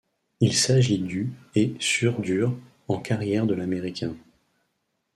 Il s'agit du et sur dur en carrière de l'Américain.